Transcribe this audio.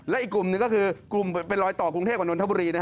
และอีกกลุ่มหนึ่งก็คือกลุ่มเป็นรอยต่อกรุงเทพกับนนทบุรี